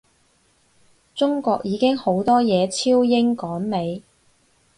中國已經好多嘢超英趕美